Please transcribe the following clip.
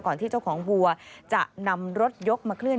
ที่เจ้าของวัวจะนำรถยกมาเคลื่อ